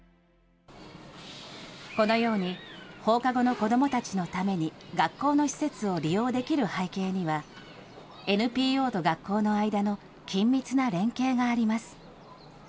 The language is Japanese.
このように、放課後の子どもたちのために学校の施設を利用できる背景には、ＮＰＯと学校の間の緊密な連携があります。